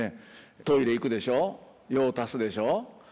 トイレ行くでしょ用足すでしょ